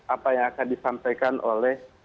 apa yang akan disampaikan oleh